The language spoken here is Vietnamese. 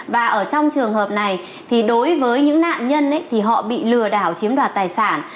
và ở trong trường hợp này thì đối với những nạn nhân thì họ bị lừa đảo chiếm đoạt tài sản